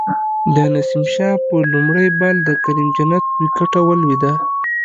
د نسیم شاه په لومړی بال د کریم جنت وکټه ولویده